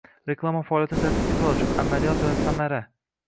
Reklama faoliyatini tartibga solish: amaliyot va samarang